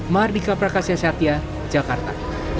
mardika prakasya satya jakarta